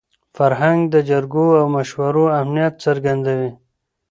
فرهنګ د جرګو او مشورو اهمیت څرګندوي.